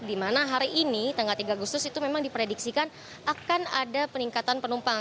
di mana hari ini tanggal tiga agustus itu memang diprediksikan akan ada peningkatan penumpang